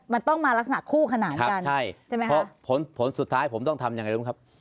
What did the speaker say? มันต้องมาหลักษณะคู่ขนาดไว้กันน่ะใช่ไหมครับผลสุดท้ายผมต้องทำอย่างไรครับ